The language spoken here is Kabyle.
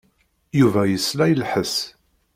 Yuba yesla i lḥess.